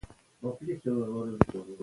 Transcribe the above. ماشوم ډاډمن دی.